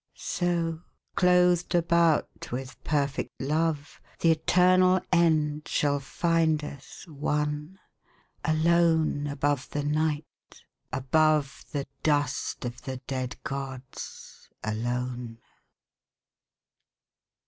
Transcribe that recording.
So, clothed about with perfect love, The eternal end shall find us one, Alone above the Night, above The dust of the dead gods, alone.